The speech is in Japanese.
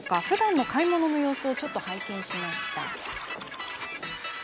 ふだんの買い物の様子をちょっと拝見しました。